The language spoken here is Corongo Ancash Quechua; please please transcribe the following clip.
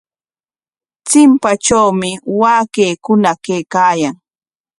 Chimpatrawmi waakaykikuna kaykaayan.